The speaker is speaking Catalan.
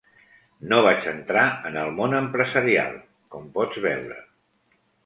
No vaig entrar en el món empresarial, com pots veure.